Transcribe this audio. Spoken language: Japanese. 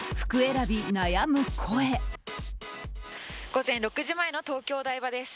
午前６時前の東京・お台場です。